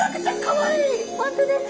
本当ですか？